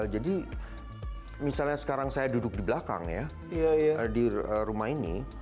jadi misalnya sekarang saya duduk di belakang ya di rumah ini